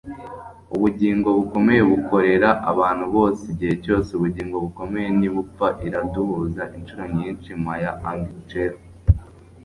ubugingo bukomeye bukorera abantu bose igihe cyose ubugingo bukomeye ntibupfa iraduhuza inshuro nyinshi - maya angelou